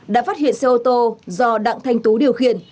đã phát hiện xe ô tô do đặng thanh tú điều khiển